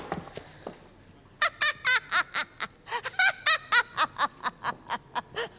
ハハハハハハ！